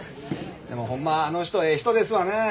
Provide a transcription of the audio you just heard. でもホンマあの人ええ人ですわね。